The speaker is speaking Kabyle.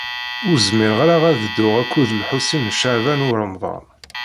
Ur zmireɣ ara ad dduɣ akked Lḥusin n Caɛban u Ṛemḍan.